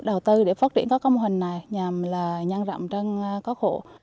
đầu tư để phát triển các mô hình này nhằm nhân rộng trong các hộ